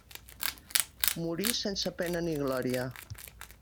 Morí sense pena ni glòria.